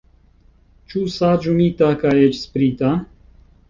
Ĉu saĝumita kaj eĉ sprita?